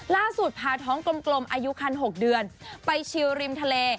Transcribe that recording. ล่าสุดพาท้องกลมอายุคัน๖เดือนไปชิลริมทะเล